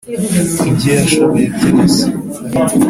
ibyo yashoboye byose.